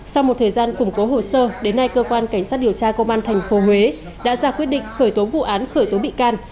sau một thời gian củng cố hồ sơ đến nay cơ quan cảnh sát điều tra công an tp huế đã ra quyết định khởi tố vụ án khởi tố bị can